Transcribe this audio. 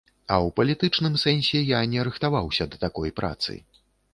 А ў палітычным сэнсе я не рыхтаваўся да такой працы.